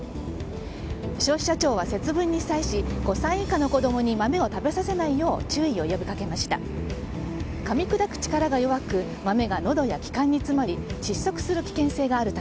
消費者庁は節分に際し５歳以下の子供に豆を食べさせないよう注意を呼びかけました。